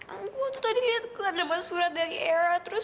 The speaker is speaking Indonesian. aku tuh tadi liat ke nama surat dari era terus